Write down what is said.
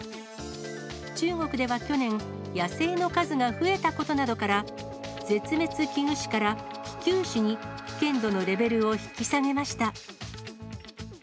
中国では去年、野生の数が増えたことなどから、絶滅危惧種から、危急種に危険度のレベルを引き下げました。